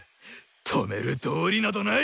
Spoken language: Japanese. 止める道理などない！